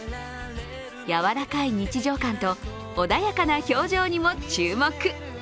やわらかい日常感と穏やかな表情にも注目。